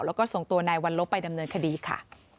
แล้วก็ส่งตัวนายวัลลบไปดำเนินคดีค่ะ